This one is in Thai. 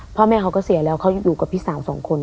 พ่อแม่เขาก็เสียแล้วเขาอยู่กับพี่สาวสองคน